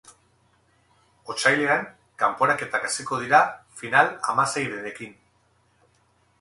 Otsailean kanporaketak hasiko dira, final-hamaseirenekin.